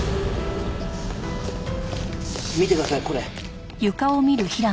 見てくださいこれ。